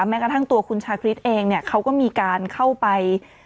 แม้กระทั่งตัวคุณชาคริสเองเนี่ยเขาก็มีการเข้าไป